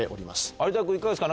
有田君いかがですか？